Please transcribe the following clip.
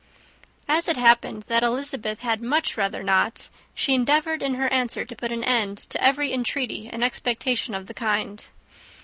As it happened that Elizabeth had much rather not, she endeavoured in her answer to put an end to every entreaty and expectation of the kind.